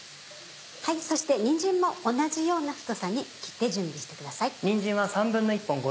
そしてにんじんも同じような太さに切って準備してください。